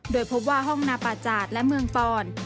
โดยพบว่าห้องนาปาจาดและเมืองปอน